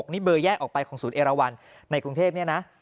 นี่เบอร์แยกออกไปของศูนย์เอราวันในกรุงเทพเนี่ยนะ